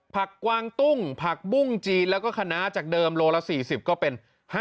กวางตุ้งผักบุ้งจีนแล้วก็คณะจากเดิมโลละ๔๐ก็เป็น๕๐